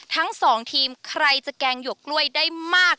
ทั้งสองทีมใครจะแกงหยวกกล้วยได้มาก